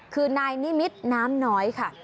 คือนายนิมิตรน้ำน้อยค่ะ